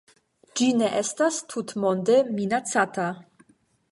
Ĝi ne estas tutmonde minacata.